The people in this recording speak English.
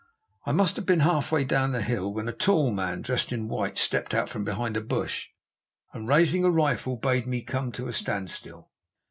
I must have been half way down the hill when a tall man, dressed in white, stepped out from behind a bush, and raising a rifle bade me come to a standstill.